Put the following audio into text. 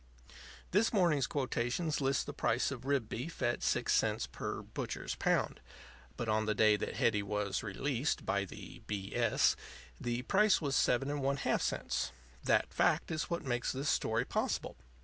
This morning's quotations list the price of rib beef at six cents per (butcher's) pound. But on the day that Hetty was "released" by the B. S. the price was seven and one half cents. That fact is what makes this story possible.